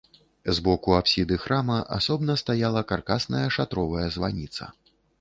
З боку апсіды храма асобна стаяла каркасная шатровая званіца.